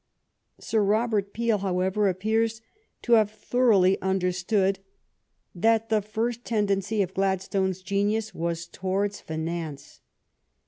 Sir Robert Peel, however, appears to have thoroughly under stood that the first tendency of Gladstone's genius was towards finance.